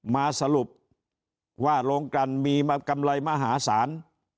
มาสรุปว่าโรงกันมีมากำไรมหาศาล